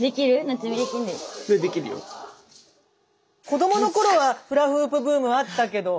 子どもの頃はフラフープブームあったけど。